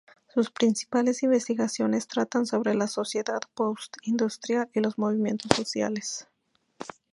Sus principales investigaciones tratan sobre la "sociedad post-industrial" y los movimientos sociales.